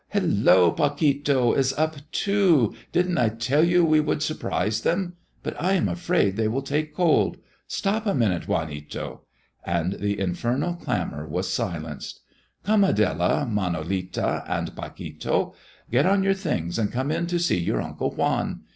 Hello! Paquito is up too. Didn't I tell you we should surprise them? But I am afraid they will take cold. Stop a minute, Juanito!" And the infernal clamor was silenced. "Come, Adela, Manolita, and Paquito, get on your things and come in to see your uncle Juan.